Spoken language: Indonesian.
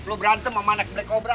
lo berantem sama anak black cobra